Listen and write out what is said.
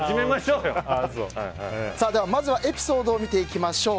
まずはエピソードを見ていきましょう。